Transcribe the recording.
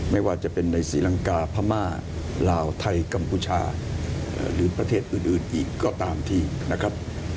ไม่ว่าจะเป็นในศรีลังกาพม่าลาวไทยกัมพูชาหรือประเทศอื่นอีกก็ตามทีนะครับ